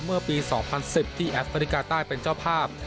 เมื่อปี๒๐๑๐ที่แอฟริกาใต้เป็นเจ้าภาพ